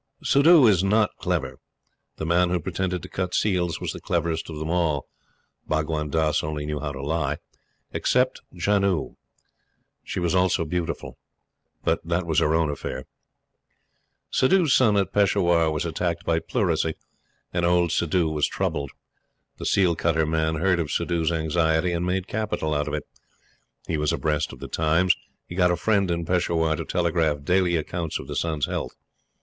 Suddhoo was not clever. The man who pretended to cut seals was the cleverest of them all Bhagwan Dass only knew how to lie except Janoo. She was also beautiful, but that was her own affair. Suddhoo's son at Peshawar was attacked by pleurisy, and old Suddhoo was troubled. The seal cutter man heard of Suddhoo's anxiety and made capital out of it. He was abreast of the times. He got a friend in Peshawar to telegraph daily accounts of the son's health.